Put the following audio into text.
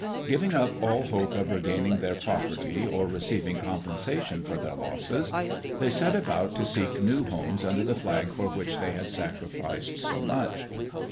Giving up all hope of regaining their property or receiving compensation for their losses, they set about to seek new homes under the flag for which they had sacrificed so much.